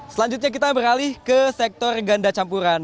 selanjutnya kita beralih ke sektor ganda campuran